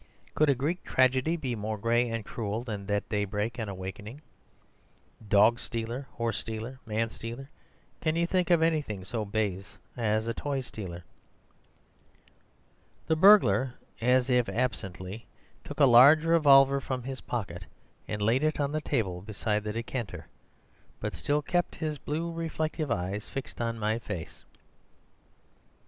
Could a Greek tragedy be more gray and cruel than that daybreak and awakening? Dog stealer, horse stealer, man stealer—can you think of anything so base as a toy stealer?' "The burglar, as if absently, took a large revolver from his pocket and laid it on the table beside the decanter, but still kept his blue reflective eyes fixed on my face.